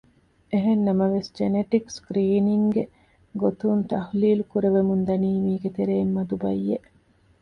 އެހެންނަމަވެސް ޖެނެޓިކް ސްކްރީނިންގ ގެ ގޮތުން ތަޙުލީލު ކުރެވެމުންދަނީ މީގެތެރެއިން މަދު ބައްޔެއް